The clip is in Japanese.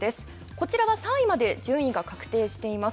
こちらは３位まで順位が確定しています。